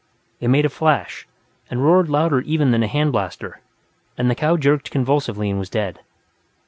It made a flash, and roared louder even than a hand blaster, and the cow jerked convulsively and was dead.